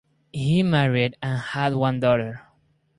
He married and had one daughter.